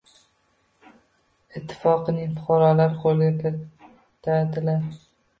Ittifoqining fuqarolari qo‘lga kiritadilar: